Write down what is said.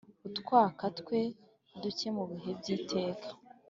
Utwaka twe duke mu bihe by’iteka,